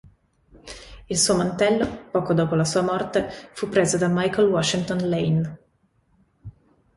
Il suo mantello, poco dopo la sua morte, fu preso da Michael Washington Lane.